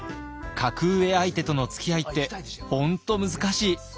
格上相手とのつきあいって本当難しい。